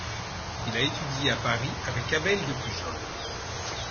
Il a étudié à Paris avec Abel de Pujol.